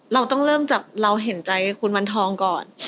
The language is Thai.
เราต้องเริ่มจากเราเห็นใจคุณวันทองก่อน